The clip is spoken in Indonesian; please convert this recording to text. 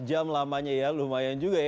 enam belas jam lamanya ya lumayan juga ya